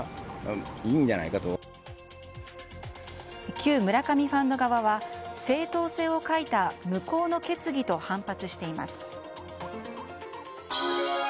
旧村上ファンド側は正当性を欠いた無効の決議と反発しています。